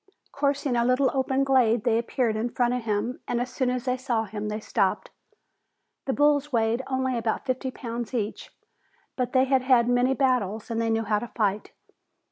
Coursing a little open glade, they appeared in front of him and as soon as they saw him they stopped. The bulls weighed only about fifty pounds each, but they had had many battles and they knew how to fight.